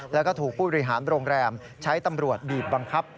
แล้วก็ถูกผู้บริหารโรงแรมใช้ตำรวจบีบบังคับ